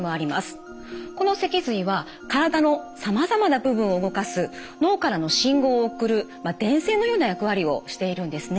この脊髄は体のさまざまな部分を動かす脳からの信号を送るまあ電線のような役割をしているんですね。